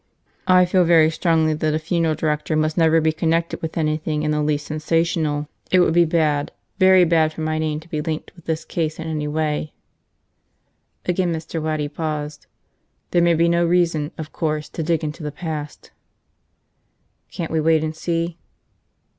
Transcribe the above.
"I feel very strongly that a funeral director must never be connected with anything in the least sensational. It would be bad, very bad for my name to be linked with this case in any way." Again Mr. Waddy paused. "There may be no reason, of course, to dig into the past." "Can't we wait and see?"